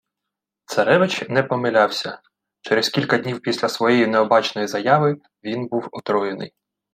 Царевич не помилявся: через кілька днів після своєї необачної заяви він був отруєний